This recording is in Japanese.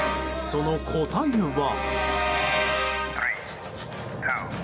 その答えは。